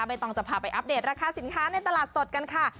ต้องจะพาไปอัปเดตราคาสินค้าในตลาดสดกันค่ะ